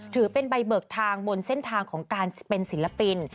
ถือเป็นใบเบิกทางบนเส้นทางของการเป็นศิลปิน